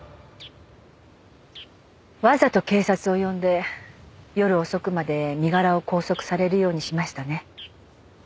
わざと警察を呼んで夜遅くまで身柄を拘束されるようにしましたね。